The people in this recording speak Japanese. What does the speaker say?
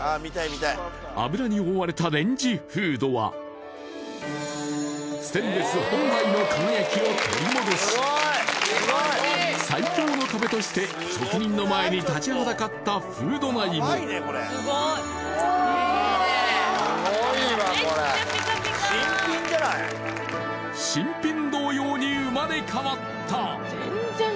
油に覆われたレンジフードはステンレス本来の輝きを取り戻し最強の壁として職人の前に立ちはだかったフード内も新品同様に生まれ変わった！